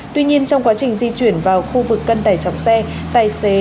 tuy nhiên trong quá trình di chuyển vào khu vực cân tải trọng xe tài xế